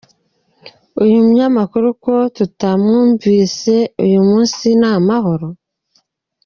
Uyu munyamakuru ko tutamwumvise uyu munsi ni amahoro?